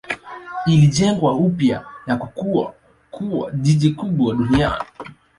Ilijengwa upya na kukua kuwa jiji kubwa duniani.